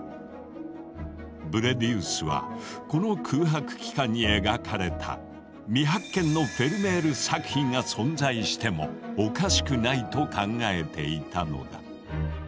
ブレディウスはこの空白期間に描かれた未発見のフェルメール作品が存在してもおかしくないと考えていたのだ。